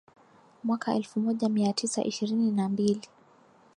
mwaka elfu moja mia tisa ishirini na mbili